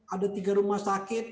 ada tiga rumah sakit